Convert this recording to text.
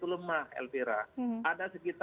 dan juga identitas kepartaian kita